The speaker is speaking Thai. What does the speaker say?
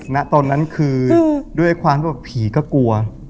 นะตอนนั้นคือด้วยความว่าผีก็กลัว